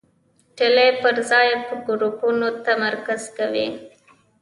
ډلې پر ځای ګروپونو تمرکز کوي.